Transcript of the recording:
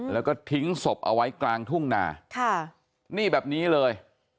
แล้วก็ทิ้งศพเอาไว้กลางทุ่งนาค่ะนี่แบบนี้เลย